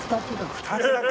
２つだけ？